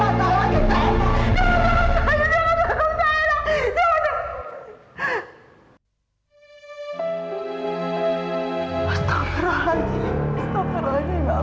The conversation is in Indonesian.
astagfirullahaladzim ya pak